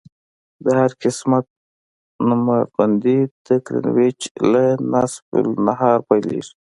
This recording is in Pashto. د هر قسمت نمره بندي د ګرینویچ له نصف النهار پیلیږي